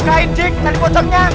cik bukain cik tadi pocongnya